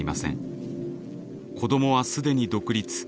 子どもは既に独立。